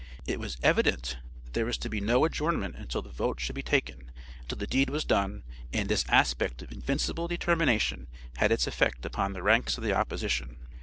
It was evident there was to be no adjournment until the vote should be taken until the deed was done, and this aspect of invincible determination had its effect upon the ranks of the opposition.